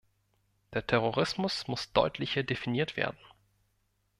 Der Terrorismus muss deutlicher definiert werden.